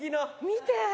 見て！